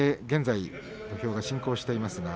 現在、土俵が進行しています。